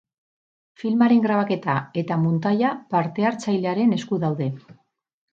Filmaren grabaketa eta muntaia parte-hartzailearen esku daude.